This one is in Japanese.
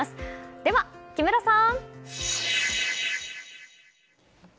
では、木村さん。